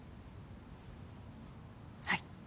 はい。